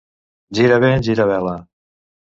Gira vent, gira vela.